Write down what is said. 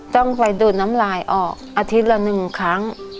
ต้องไปดูดน้ำลายออกอาทิตย์ละ๑ครั้ง